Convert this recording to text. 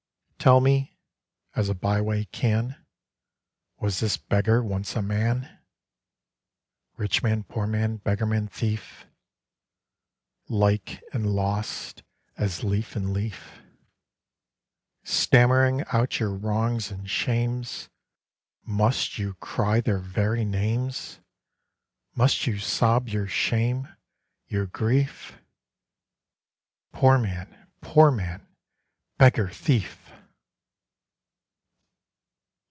Tell me as a Byway can Was this Beggar once a Man? 'Rich man Poor man Beggar man Thief!' Like and lost as leaf and leaf. Stammering out your wrongs and shames, Must you cry their very names? Must you sob your shame, your grief? '_Poor man Poor man! Beggar Thief.